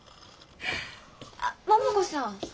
あっ桃子さん。